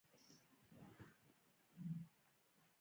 ځینو ژوبلو کسانو له ډیر درد څخه چیغې ایستلې.